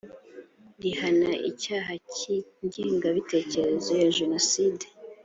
rihana icyaha cy ingengabitekerezo ya jenoside